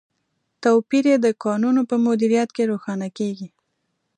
توپیر یې د کانونو په مدیریت کې روښانه کیږي.